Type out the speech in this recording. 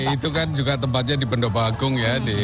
itu kan juga tempatnya di pendopahagung